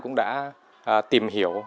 cũng đã tìm hiểu